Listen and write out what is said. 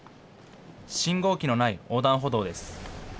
信号機のない横断歩道です。